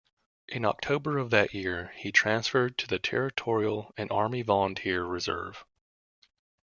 In October of that year, he transferred to the Territorial and Army Volunteer Reserve.